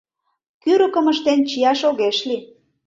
Кӱрыкым ыштен чияш огеш лий.